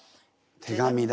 手紙だ。